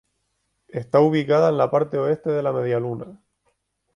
Está ubicada en la parte oeste de la medialuna.